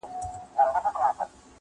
له سالو سره به څوك ستايي اورونه؛